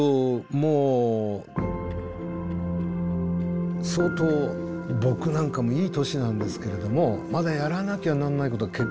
もう相当僕なんかもいい年なんですけれどもまだやらなきゃならないことが結構あります。